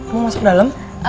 mau masuk ke dalam